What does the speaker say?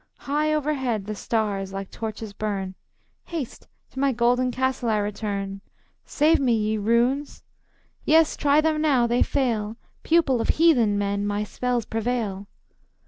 High overhead, the stars, like torches, burn: "Haste! to my golden castle I return. Save me, ye runes!" "Yes, try them now; they fail. Pupil of heathen men, my spells prevail!"